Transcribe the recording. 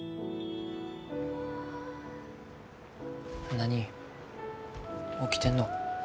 何起きてんの。